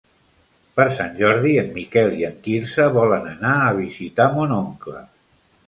Per Sant Jordi en Miquel i en Quirze volen anar a visitar mon oncle.